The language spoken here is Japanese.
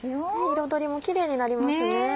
彩りもキレイになりますね。